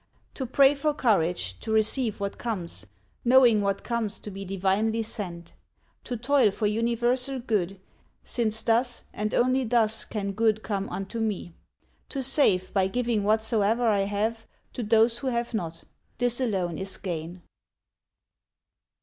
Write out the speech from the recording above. To pray for courage to receive what comes, Knowing what comes to be divinely sent. To toil for universal good, since thus And only thus can good come unto me. To save, by giving whatsoe'er I have To those who have not, this alone is gain.